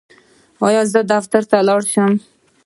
ایا زه دفتر ته لاړ شم؟